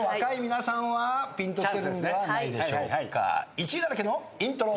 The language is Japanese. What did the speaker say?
１位だらけのイントロ。